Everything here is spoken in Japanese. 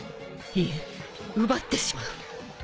いえ奪ってしまう。